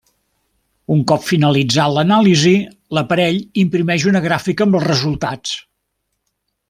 Un cop finalitzat l'anàlisi, l'aparell imprimeix una gràfica amb els resultats.